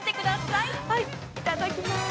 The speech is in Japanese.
◆いただきます。